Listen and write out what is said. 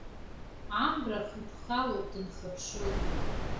Амра хыԥхало дынхыԥшылт.